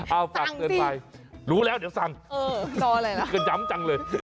เอาฝากเกินไปสั่งสิรู้แล้วเดี๋ยวสั่งเกินจำจังเลย